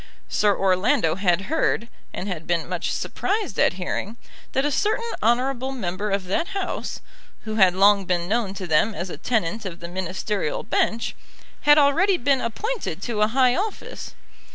Sir Orlando had heard, and had been much surprised at hearing, that a certain honourable member of that House, who had long been known to them as a tenant of the Ministerial bench, had already been appointed to a high office.